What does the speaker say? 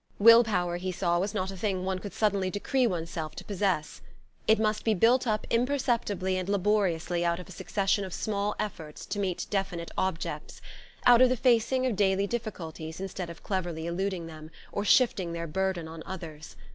Will power, he saw, was not a thing one could suddenly decree oneself to possess. It must be built up imperceptibly and laboriously out of a succession of small efforts to meet definite objects, out of the facing of daily difficulties instead of cleverly eluding them, or shifting their burden on others.